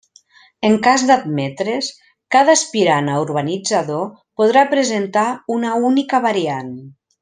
En cas d'admetre's, cada aspirant a urbanitzador podrà presentar una única variant.